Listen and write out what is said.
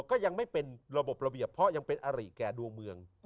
ก็ยังไม่เป็นระบบระเบียบเพราะยังเป็นอริแก่ดวงเมือง